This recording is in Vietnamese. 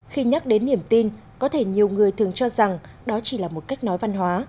khi nhắc đến niềm tin có thể nhiều người thường cho rằng đó chỉ là một cách nói văn hóa